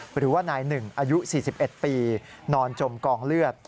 หรือว่านายหนึ่งอายุ๔๑ปีนอนจมกองเลือด